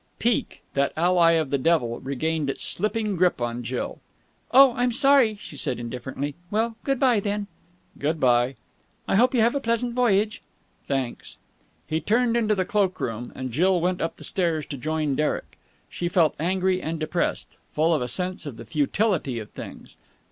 Pique, that ally of the devil, regained its slipping grip upon Jill. "Oh? I'm sorry," she said indifferently. "Well, good bye, then." "Good bye." "I hope you have a pleasant voyage." "Thanks." He turned into the cloak room, and Jill went up the stairs to join Derek. She felt angry and depressed, full of a sense of the futility of things.